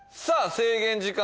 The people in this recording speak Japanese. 制限時間